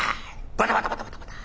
バタバタバタバタッ。